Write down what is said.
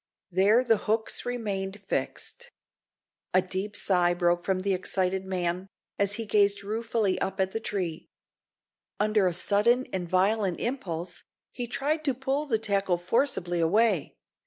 There the hooks remained fixed. A deep sigh broke from the excited man, as he gazed ruefully up at the tree. Under a sudden and violent impulse, he tried to pull the tackle forcibly away.